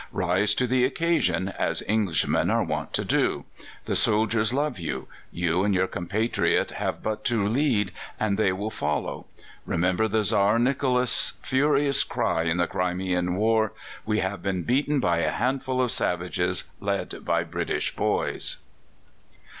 Rise to the occasion, as Englishmen are wont to do. The soldiers love you. You and your compatriot have but to lead, and they will follow. Remember the Czar Nicholas' furious cry in the Crimean War: 'We have been beaten by a handful of savages led by British boys!